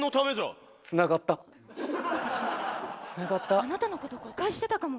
私あなたのことを誤解してたかも。